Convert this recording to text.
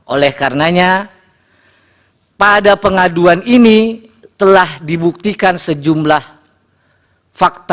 oleh karenanya pada pengaduan ini telah dibuktikan sejumlah fakta